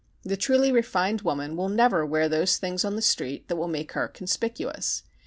The truly refined woman will never wear those things on the street that will make her conspicuous.